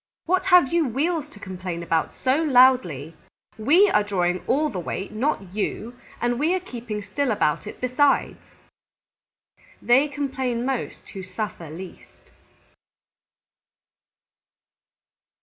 "What have you Wheels to complain about so loudly? We are drawing all the weight, not you, and we are keeping still about it besides." _They complain most who suffer least.